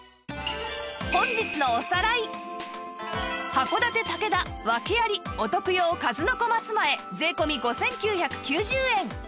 函館竹田訳ありお徳用数の子松前税込５９９０円